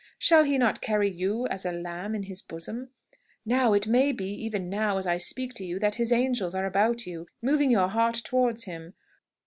Shall He not carry you, as a lamb, in His bosom? Now it may be even now, as I speak to you, that His angels are about you, moving your heart towards Him.